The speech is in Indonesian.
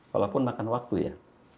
walaupun makan waktu ya